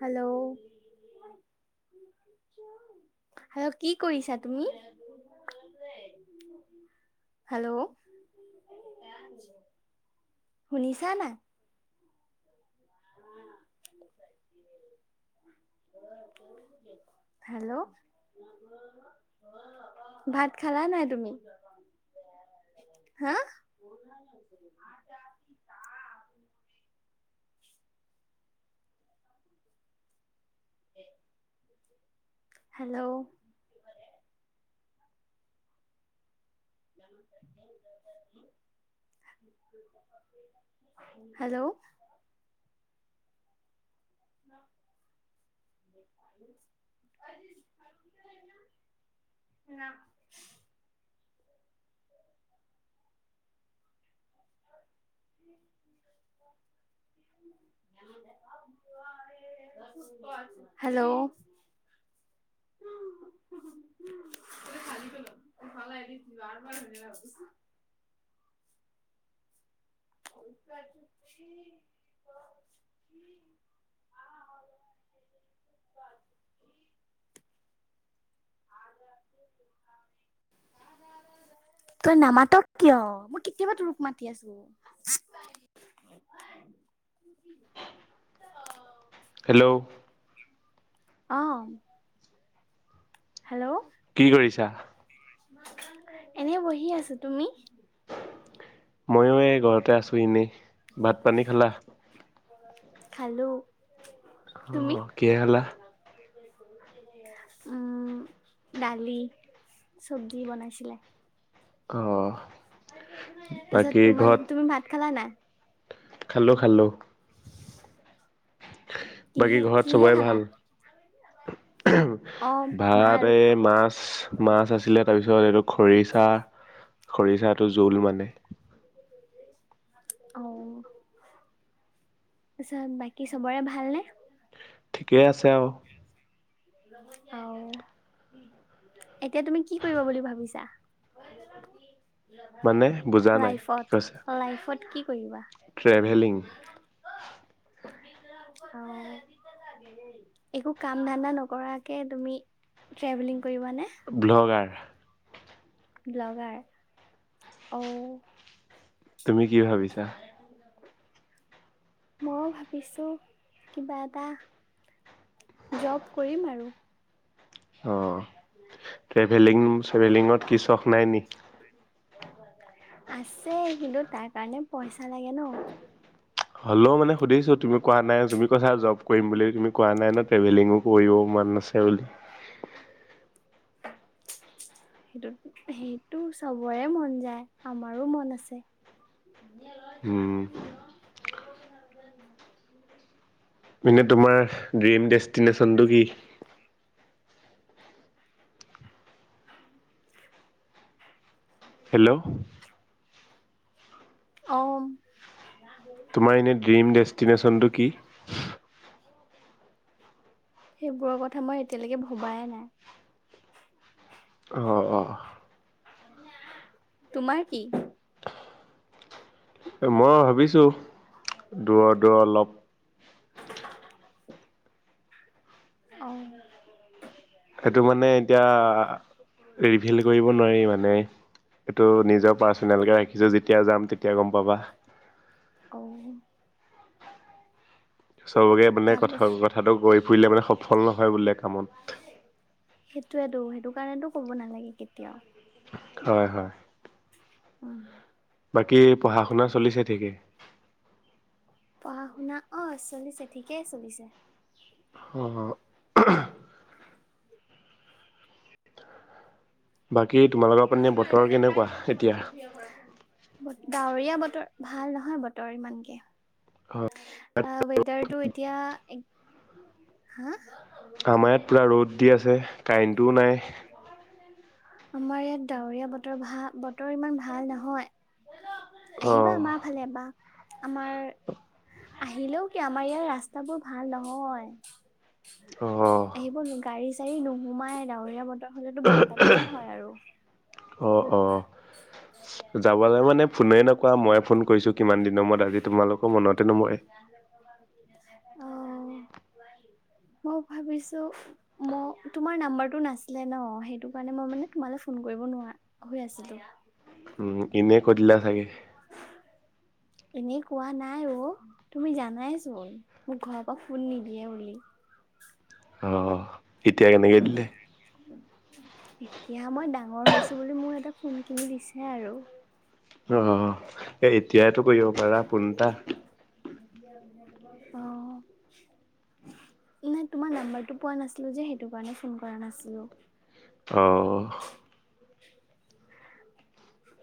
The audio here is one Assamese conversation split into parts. হেল্ল' হেল্ল কি কৰিছা তুমি হেল্ল' শুনিছা না [unintelligible] হেল্ল' ভাত খালা নাই তুমি হা [inaudible] উ [inaudible] হেল্ল'। [inaudible] হেল্ল' [unintelligible] ন [inaudible] [inaudible] হেল্ল' [unintelligible] [inaudible] [inaudible] [inaudible] তই নামাতক কিয় মই কেতিয়াবা তোৰোক মাতি আছো [unintelligible] হেল্ল' আহ কি কৰিছা এনে বহি আছো, তুমি? ময়ো এই ঘৰতে আছো এনেই, ভাত পানী খালা? খালো অ তুমি? কি হলা উম দালি চবজি বনাইছিলে অ তাৰছত বাকী তোমাৰ তুমি ভাত খালা নাই খালো খালো। বাকী কিহে ঘৰত কিহে চবৰে খালা? ভাল অ ভাত ভাল। এ মাছ মাছ আছিলে তাৰ পিছত এইটো খৰিচা খৰিচাটো জোল মানে আহ তাৰছত বাকী চবৰে ভালনেে ঠিকেই আছে আৰু অ এতিয়া তুমি কি কৰিব বুলি ভাবিছা [inaudible] মানে বুজা নাই কি লাইফত, কৈছে? লাইফত কি [unintelligible] ট্ৰেভেলিং অ একো কাম ধান্দা নক কৰাকে তুমি ট্ৰেভেলিং কৰিবানে ব্লগাৰ ব্লগাৰ অঔ তুমি কি ভাবিছা। ময়ো ভাবিছো কিবা এটা জপ কৰিম আৰু অ, টেভেলিং ট্ৰেভেলিঙত কি চখ নাই নি আছে কিন্তু তাৰ কাৰণে পইচা লাগে ন। হলেও মানে সুধিছো তুমি কোৱা নাই তুমি কৈছা জব কৰিম বুলি তুমি কোৱা নাই ন ট্ৰেভেলিং কৰিব মন আছে বুলি। সেইটো - সেইটো চবৰে মন যায় আমাৰো মন আছে। উম, উম, ন এ [unintelligible] এানে তোমাৰ ড্ৰিম ডেষ্টিনেশ্যনটো কি? হেল্ল', অ', তোমাৰ এনে ড্ৰিম ডেষ্টিনেশ্যনটো কি? সেইবোৰৰ কথা মই এতিয়ালৈকে ভবাই নাই। অ - অ। তোমাৰ কি? এ মই ভাবিছো দূৰ - দূৰ অলপ। [inaudible] অ', সেইটো মানে এতিয়া ৰিভিল কৰিব নোৱাৰি মানে এইটো নিজৰ পাৰ্চনেলকে ৰাখিছো যেতিয়া যাম তেতিয়া গম পাবা। আৰু সবকে মানে কথা তাৰপাছ কথাটো গৈ ফুৰিলে মানে সফল নহয় বোলে কামত। সেইটোৱেতো- সেইটো কাৰণেতো কব নালাগে কেতিয়াও। হয় - হয়। উম, বাকী পঢ়া শুনা চলিছে ঠিকেই। অ, শুনা অ, চলিছে ঠিকেই চলিছে। অ', বাকী তোমালোকৰ পানে বতৰ কেনেকুৱা এতিয়া। বিয়া বতৰ ভাল নহয় বতৰ ইমানকে অ', ৱেডাৰটো এতিয়া হা আমাৰ ইয়াত পুৰা ৰ'দ দি আছে কাৰেণ্টোও নাই। আমাৰ ইয়াত ডাৱৰীয়া বতৰ ভাল বতৰ ইমান ভাল নহয়। আহিবা অ', আমাৰ ফালে বা আমাৰ আহিলেও কি আমাৰ ইয়াৰ ৰাস্তাবোৰ ভাল নহয়। অ'। আহিব গাড়ী চাড়ী নোসোমাই ডাৱৰীয়া বতৰ হাৰ হলেতো বানপানীয়ে হয় আৰু। অ-অ। যাবলৈ মানে ফোনে নকোৱা মই ফোন কৰিছো কিমান দিনৰ মৰত আজি তোমালোকৰ মনতে নোমৰে। অ', [inaudible] মই ভাবিছো ম তোমাৰ নাম্বাৰটো নাছিলে ন সেইটো কাৰণে মই মানে তোমালে ফোন কৰি নোৱাৰ হৈ আছিলো। উম, ইনেিয় কতিল চাগে। এনে কোৱা নাই অ, তুমি জানাইচোন মোক ঘৰৰ পৰা ফোন নিদিয়ে বুলি। অহ, এতিয়া কেনেকৈ দিলে। এতিয়া মই ডাঙৰ হৈছো বুলি মোৰ এটা ফোন কিনি দিছে আৰু। আহ, এতিয়া টো কৰিব পৰা ফোন এটা। অ', নাই তোমাৰ নাম্বাৰটো পোৱা নাছিলোঁ যে সেইটো কাৰণে ফোন কৰা নাছিলোঁ। আহঁ।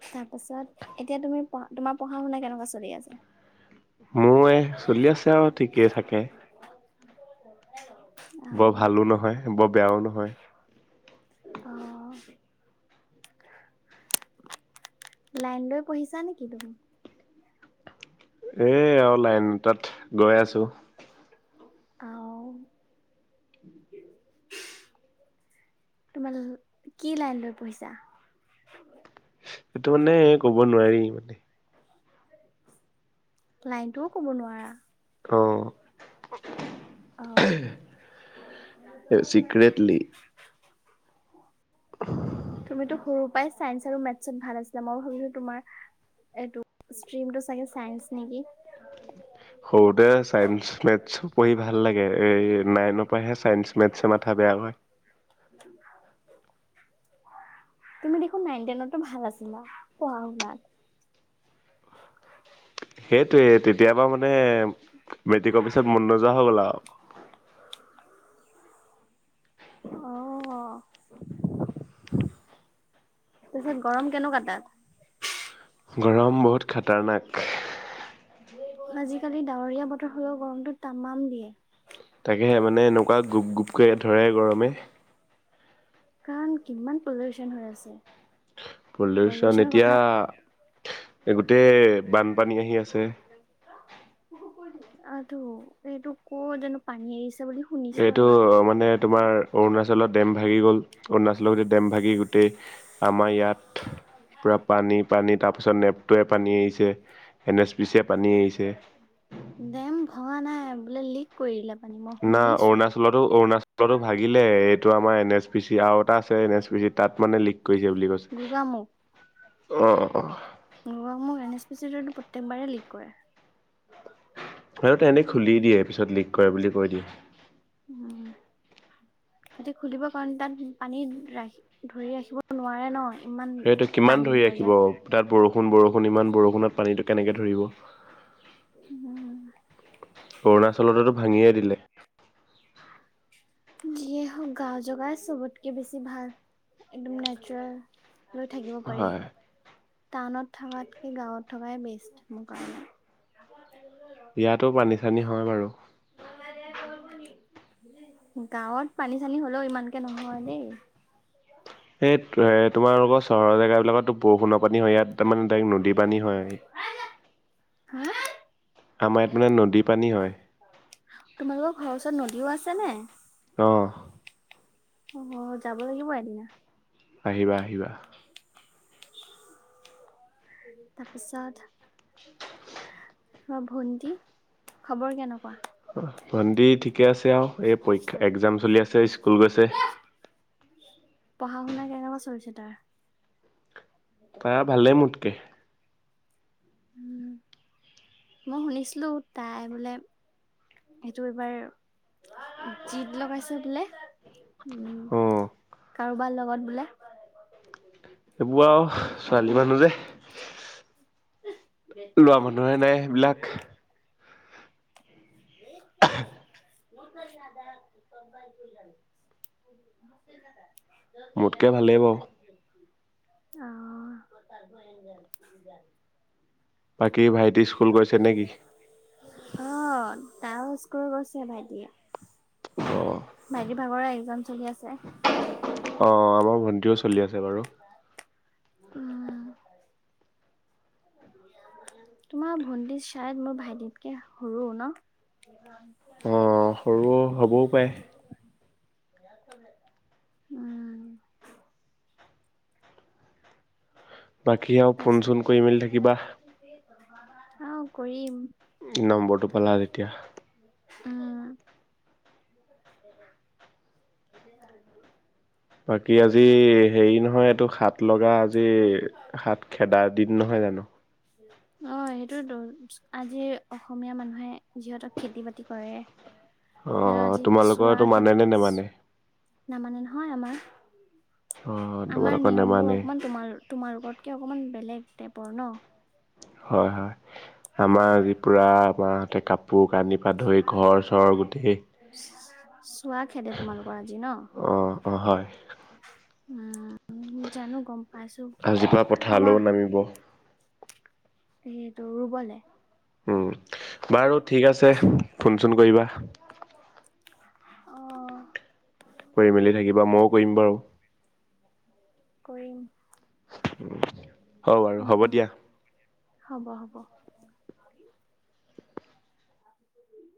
তাৰ পাছত এতিয়া তুমি পঢ়া তোমাৰ পঢ়া-শুনা কেনেকুৱা চলি আছে? মোৰ এ চলি আছে আৰু ঠিকেই থাকে। বৰ আহ ভালো নহয়, বৰ বেয়াও নহয়। অ', লাইন লৈ পঢ়িছা নেকি তুমি? এ, অ, লাইন তাত গৈ আছো। আও তোমাৰ কি লাইন লৈ পঢ়িছা? সেইটো মানে ক'ব নোৱাৰি মানে। লাইনটোও ক'ব নোৱাৰা? অ', অ [unintelligible] এ চিক্ৰেটলি। তুমিতো সৰু পাই চাইন্স আৰু মেথছত ভাল আছিলা মই ভাবিছো তোমাৰ এইটো ষ্ট্ৰিমটো চাগে চাইন্স নেকি? সৰুতে এ -এই নাইনৰ পৰাহে চাইন্স মেথছ মাথা বেয়া হয়। তুমি দেখোন নাইন টেনতো ভাল আছিলা, পঢ়া শুনাত। [unintelligible] সেইটোৱে তেতিয়াবা বা মানে মেট্ৰিকৰ পিছত মন নোযোৱা হৈ গ'ল আওঁ। অ', [unintelligible] তাৰপিছত গৰম কেনেকুৱা তাত? গৰম বহুত খতৰনাক। আজিকালি ডাৱৰীয়া বতৰ হৈও গৰমটো তামাম দিয়ে। তাকেহে মানে এনেকুৱা গুপ-গুপকৈ ধৰে গৰমে। কাৰণ কিমান পলিউচন হৈ আছে। পল্লিউচন পলিউচনৰ এতিয়া কথা গোটেই বানপানী আহি আছে। আটো এইটো কৰ যানো পানী আহিছে। এইটো মানে তোমাৰ অৰুণাচলত ডেম ভাগি গ'ল, অৰুণাচলত ডেম ভাগি গোটেই আমাৰ ইয়াত পূৰা পানী পানী তাৰপিছত নেপটোৱে পানী এৰি এন এছ পিছে পানী আহিছে। ডেম ভঙা নাই বোলে লিক কৰিলে। না অৰুণাচলতো-অৰুণাচলতো ভাগিলে। এইটো আমাৰ এন এছ পি চি আৰু এটা আছে এন এছ পি চিত। তাত মানে লিক কৰিছে বুলি কৈছে। [inaudible] অহ, অহ। অ মোক এন এছ পি চি প্ৰত্যেকবাৰেই লিক কৰে। হয় এনেই খুলি দিয়ে, পিছত লিক কৰে বুলি কৈ দিয়ে। সিহতি খুলিব কাৰণ, তাত পানী ৰাখি ধৰি ৰাখিব নোৱাৰে ন। ইমান সেইটো কিমান পানী ধৰি হৈ যায়। ৰাখিব তাত বৰষুণ-বৰষুণ বৰষুণ ইমান বৰষুণত পানীটো কেনেকৈ ধৰিব। উম, অৰুণাচলতেটো ভাঙিয়ে দিলে। যিয়ে হওক গাঁও জগাই চবতকে বেছি ভাল। একদম নেচাৰেল লৈ থাকিব পাৰি। হয় টাউনত থকাতকে গাঁৱত থকাই বেষ্ট। মোৰ কাৰণে। বিয়াতো পানী চানী হয় বাৰু। গাঁৱত পানী চানী হ'লেও ইমানকে নহয় দেই। এ এই তোমাৰোকৰ চহৰ জেগা বিলাকতো বৰষুণৰ পানী হয় ইয়াত তাৰমানে ডৰেক নদী পানী হয়। [inaudible] আমাৰ ইয়াত মানে নদীৰ পানী হয়। তোমালোকৰ ঘৰৰ ওচৰত নবৌ আছে নাই অহ' অ' যাব লাগিব এদিনা। আহিবা' আহিবা। তাৰপিছত [unintelligible] ভণ্টি খবৰ কেনেকুৱা ভণ্টি ঠিকে আছে আৰু এই পৰীক্ষা এক্জাম চলি আছে স্কুল গৈছে। পঢ়া শুনা কেনেকুৱা চলিছে তাৰ? তাৰ ভালে মোতকে। উম, [inaudible] মই শুনিছিলো তাই বোলে সেইটো এইবাৰ, জিদ লগাইছো বোলে। উম, অ'। কাৰোবাৰ লগত বোলে, এইবোৰ আৰু ছোৱালী মানুহ যে। ল'ৰা মানুহৰে নাই হেইবিলাক। [inaudible] [inaudible] মোতকে ভালেই বাৰু [inaudible] অহ' বাকী ভাইটি স্কুল গৈছে নেকি? অ [unintelligible] গৈছে ভাইটিয়ে। অ'। ভাইটিৰ ভাগৰে এক্জাম চলি আছে। অ' আমাৰ ভণ্টিও চলি আছে বাৰু [inaudible] তোমাৰ ভন্টি ছাইত মই ভাইটিতকে সৰুো ন, অহ সৰু হ'বও পাৰে। [unintelligible] উম' বাকী আ ওঁ ফোন তাৰপিছত চোন কৰি মেলি থাকিবা। অ' কৰিম। নম্বৰটো পালা যেতিয়া। উম' বাকী আজি হেৰি নহয় এইটো শা'ত লগা আজি শা'ত খেদাৰ দিন নহয়, [unintelligible] অ' সেইটোৱে তো আজি অসমীয়া মানুহে যিহতৰ খেতি বাতি কৰে। সিহঁতৰ অ' আজি তোমালোকৰো মানে নে' নে মানে, না মানে নহয় আমাৰ, অ' আমাৰ তোমালোকৰ নিয়ম বোৰ নেমানেই অকমান তোমাৰ -তোমালোকতকৈ অকমান বেলেগ টাইপৰ ন, হয়' হয় আমাৰ আজি পুৰা আমাৰতে কাপো কাপোৰ কানি পা ধৰি ঘৰ চৰ গোটেই, চোৱা খেদা তোমালোকৰ আজি ন অ' অ' হয় জানো গম পাইছো আজিৰ পৰা আমাৰ পথাৰলৈও নামিব। [unintelligible] ৰুবলে উম বাৰু ঠিক আছে, ফোন চোন কৰিবা। অহ' কৰি মেলি থাকিবা মইো কৰিম বাৰু, কৰিম। হ' বাৰু হ'ব দিয়া। হ'ব-হ'ব। [inaudible]